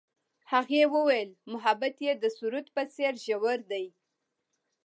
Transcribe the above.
هغې وویل محبت یې د سرود په څېر ژور دی.